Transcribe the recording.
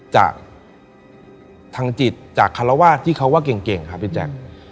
จากทางจิตจากคารวาสที่เขาว่าเก่งครับพี่แจ๊ค